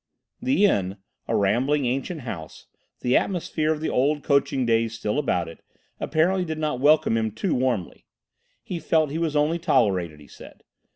The inn, a rambling ancient house, the atmosphere of the old coaching days still about it, apparently did not welcome him too warmly. He felt he was only tolerated, he said.